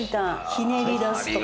「ひねり出す」とか。